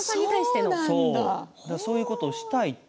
そういうことをしたいって。